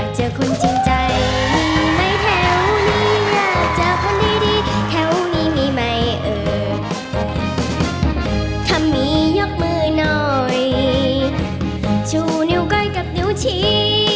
ชูนิ้วก้อยกับนิ้วชี